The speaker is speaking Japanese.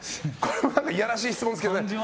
いやらしい質問ですけどね。